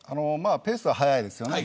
ペースは速いです。